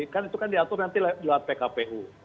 kan itu kan diatur nanti di luar pkpu